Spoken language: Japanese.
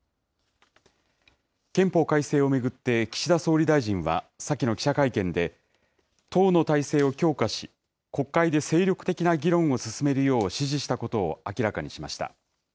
憲法改正を巡って、岸田総理大臣は先の記者会見で、党の体制を強化し、国会で精力的な議論を進めるよう指示したことを明らかにしました。